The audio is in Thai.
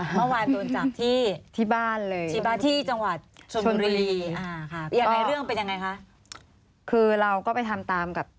เมื่อไหร่ค่ะเมื่อไหร่ค่ะเมื่อไหร่ค่ะ